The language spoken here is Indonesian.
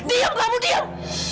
diam kamu diam